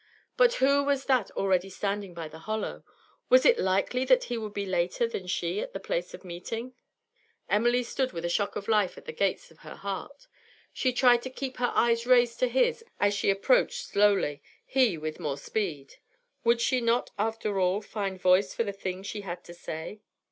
But who was that already standing by the hollow? Was it likely that he would be later than she at the place of meeting! Emily stood with a shock of life at the gates of her heart. She tried to keep her eyes raised to his as she approached slowly, he with more speed. Would she not after all find voice for the things she had to say?